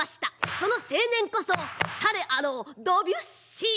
その青年こそ誰あろうドビュッシー。